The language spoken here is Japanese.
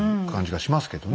しますけどね。